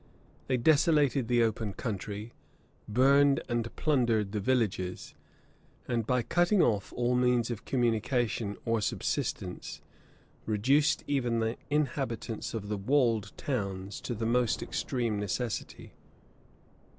They desolated the open country; burned and plundered the villages; and by cutting off all means of communication or subsistence, reduced even the inhabitants of the walled towns to the most extreme necessity.